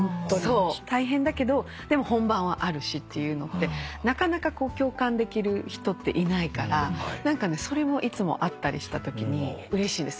大変だけどでも本番はあるしっていうのってなかなか共感できる人っていないからそれもいつも会ったりしたときにうれしいです。